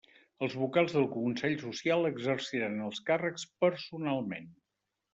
Els vocals del Consell Social exerciran els càrrecs personalment.